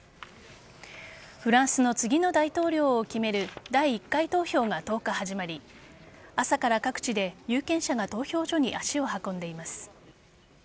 フランスの次の大統領を決める第１回投票が１０日始まり朝から各地で有権者が投票所に足を運んでいます。